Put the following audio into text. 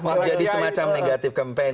menjadi semacam negatif kampanye